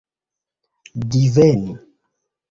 diveni